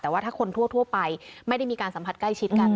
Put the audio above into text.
แต่ว่าถ้าคนทั่วไปไม่ได้มีการสัมผัสใกล้ชิดกัน